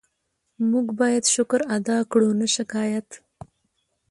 موږ باید شکر ادا کړو، نه شکایت.